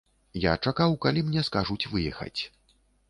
Я чакаў, калі мне скажуць выехаць.